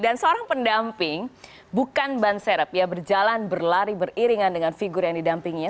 dan seorang pendamping bukan banserap ya berjalan berlari beriringan dengan figur yang didampinginya